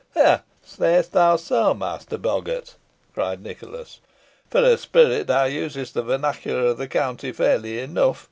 "Ha! say'st thou so, master boggart," cried Nicholas. "For a spirit, thou usest the vernacular of the county fairly enough.